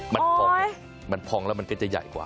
มันพองมันพองแล้วมันก็จะใหญ่กว่า